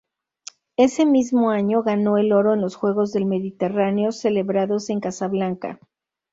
Ese mismo año ganó el oro en los Juegos del Mediterráneo celebrados en Casablanca.